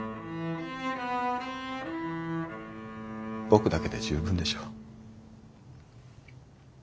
僕だけで十分でしょう？